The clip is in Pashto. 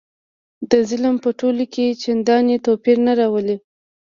د نظم په تول کې چنداني توپیر نه راولي.